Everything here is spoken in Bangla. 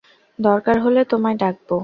দরকার হলে তোমায় ডাকবো।